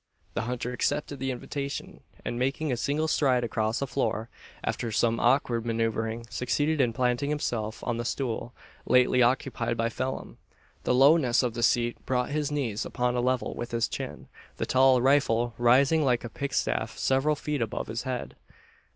The hunter accepted the invitation; and, making a single stride across the floor, after some awkward manoeuvring, succeeded in planting himself on the stool lately occupied by Phelim. The lowness of the seat brought his knees upon a level with his chin, the tall rifle rising like a pikestaff several feet above his head.